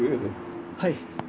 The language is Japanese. はい。